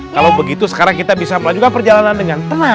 kalau begitu sekarang kita bisa melanjutkan perjalanan dengan tenang